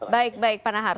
baik baik pak nahar